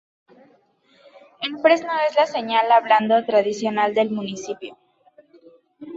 El fresno es la señal hablando tradicional del municipio.